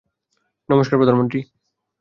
নমষ্কার, প্রধানমন্ত্রী।